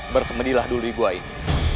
bersemendilah dulu di gua ini